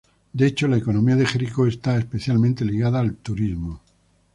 De hecho, la economía de Jericó está especialmente ligada al turismo.